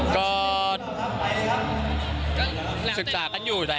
ก็ศึกษากันอยู่แหละ